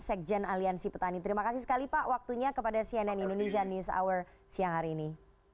sekjen aliansi petani terima kasih sekali pak waktunya kepada cnn indonesia news hour siang hari ini